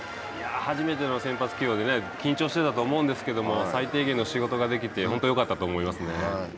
初めての先発起用で緊張してたと思うんですけども最低限の仕事ができて本当よかったと思いますね。